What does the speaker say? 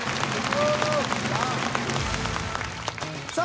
さあ